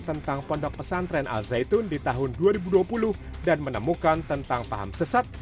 tentang pondok pesantren al zaitun di tahun dua ribu dua puluh dan menemukan tentang paham sesat